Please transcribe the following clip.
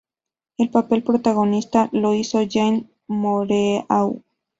El papel protagonista lo hizo Jeanne Moreau.